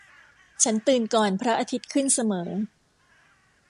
ฉันตื่นก่อนพระอาทิตย์ขึ้นเสมอ